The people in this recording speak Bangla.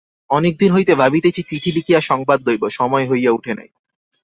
অনেক দিন হইতে ভাবিতেছি চিঠি লিখিয়া সংবাদ লইব– সময় হইয়া উঠে নাই।